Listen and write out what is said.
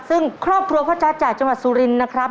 ซึ่งครอบครัวพ่อจาจ่ายจมัดสุรินนะครับ